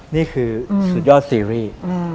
นี่คือสุดยอดซีรีส์